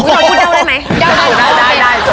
เด้า